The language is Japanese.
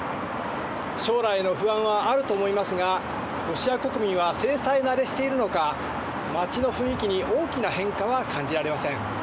将来への不安はあると思いますが、ロシア国民は制裁慣れしているのか、街の雰囲気に大きな変化は感じられません。